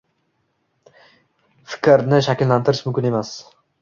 fikrni shakllantirish mumkin emas.